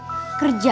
ketika kita bekerja